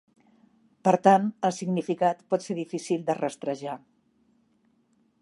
Per tant, el significat pot ser difícil de rastrejar.